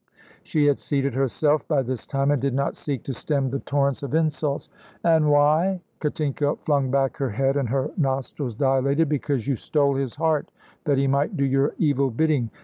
She had seated herself by this time, and did not seek to stem the torrents of insults. "And why?" Katinka flung back her head and her nostrils dilated. "Because you stole his heart that he might do your evil bidding.